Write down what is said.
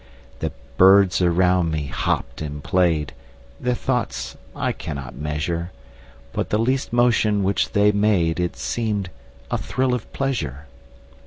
The birds around me hopped and played, Their thoughts I cannot measure: But the least motion which they made It seemed a thrill of pleasure.